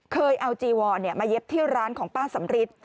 เคยเอาจีวอร์เนี่ยมาเย็บที่ร้านของป้าสัมฤทธิ์